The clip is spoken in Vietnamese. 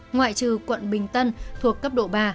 ngoại trừ quận bình tân thuộc cấp độ ba